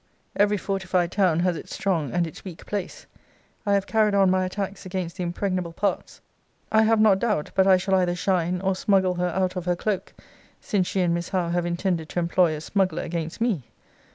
Every fortified town has its strong and its weak place. I have carried on my attacks against the impregnable parts. I have not doubt but I shall either shine or smuggle her out of her cloke, since she and Miss Howe have intended to employ a smuggler against me.